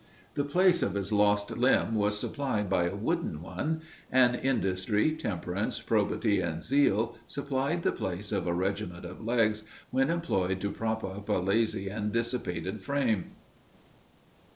The place of his lost limb was supplied by a wooden one; and industry, temperance, probity, and zeal, supplied the place of a regiment of legs, when employed to prop up a lazy and dissipated frame.